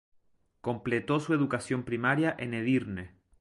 Completó su educación primaria en Edirne.